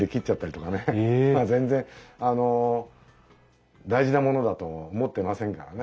まあ全然あの大事なものだと思ってませんからね。